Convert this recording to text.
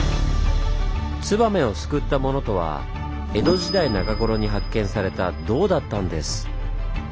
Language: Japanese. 燕を救ったものとは江戸時代中頃に発見された銅だったんです。